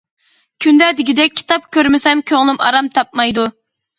كۈندە دېگۈدەك كىتاب كۆرمىسەم كۆڭلۈم ئارام تاپمايدۇ.